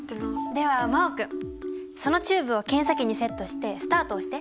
では真旺君そのチューブを検査器にセットして「ＳＴＡＲＴ」押して。